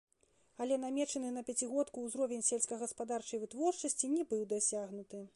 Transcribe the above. Але намечаны на пяцігодку ўзровень сельскагаспадарчай вытворчасці не быў дасягнуты.